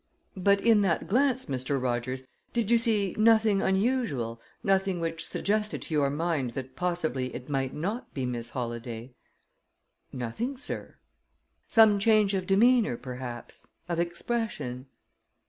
"But in that glance, Mr. Rogers, did you see nothing unusual nothing which suggested to your mind that possibly it might not be Miss Holladay?" "Nothing, sir." "Some change of demeanor, perhaps; of expression?"